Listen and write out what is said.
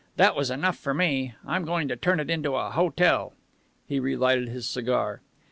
That was enough for me. I'm going to turn it into a hotel." He relighted his cigar.